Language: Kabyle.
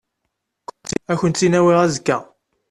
Ad akent-tt-in-awiɣ azekka.